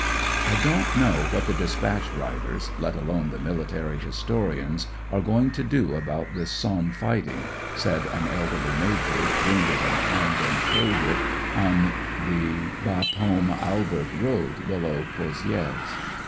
I don't know what the dispatch writers, let alone the military historians, are going to do about this Somme fight ing," said an elderly Major, wounded in hand and shoulder, on the Bapaume Albert road, below Pozi^res.